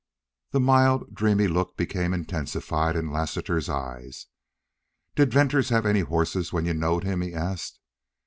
The mild, dreamy look became intensified in Lassiter's eyes. "Did Venters have any hosses when you knowed him?" he asked.